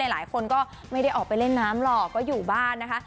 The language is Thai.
หลายคนก็ไม่ได้ออกไปเล่นน้ำหรอกก็อยู่บ้านนะคะ